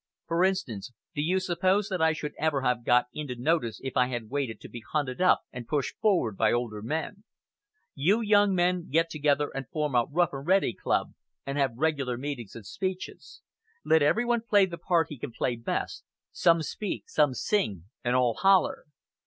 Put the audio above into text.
For instance, do you suppose that I should ever have got into notice if I had waited to be hunted up and pushed forward by older men? You young men get together and form a 'Rough and Ready' club, and have regular meetings and speeches.... Let every one play the part he can play best some speak, some sing, and all 'holler.'